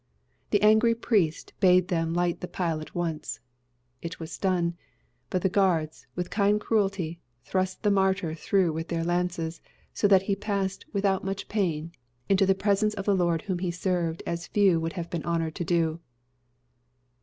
The angry priest bade them light the pile at once. It was done; but the guards, with kind cruelty, thrust the martyr through with their lances, so that he passed, without much pain, into the presence of the Lord whom he served as few have been honoured to do."